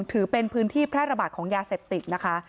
ถือเป็นพื้นที่พรรภบัตรของยาเสฟติกนะคะ